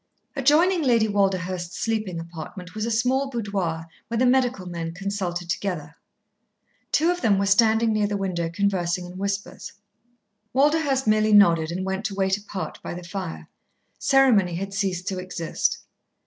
Adjoining Lady Walderhurst's sleeping apartment was a small boudoir where the medical men consulted together. Two of them were standing near the window conversing in whispers. Walderhurst merely nodded and went to wait apart by the fire. Ceremony had ceased to exist.